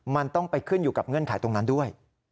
มันต้องไปขึ้นอยู่กับเงื่อนไขตรงนั้นด้วย